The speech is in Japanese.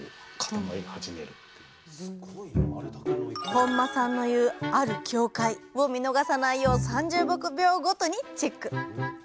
本間さんの言うある境界を見逃さないよう３０秒ごとにチェック！